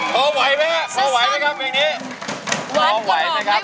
พอไหวไหมพอไหวไหมครับแม่งนี้